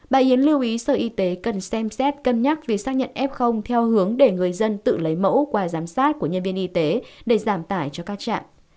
bà yến lưu ý sở y tế cần xem xét cân nhắc việc xác nhận f theo hướng để người dân tự lấy mẫu qua giám sát của nhân viên y tế để giảm tải cho các trạm